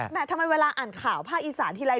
แม่ทำไมเวลาอ่านข่าวภาคอีสานทีใดน่ะ